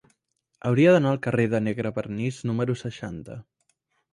Hauria d'anar al carrer de Negrevernís número seixanta.